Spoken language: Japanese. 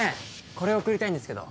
これ送りたいんですけど。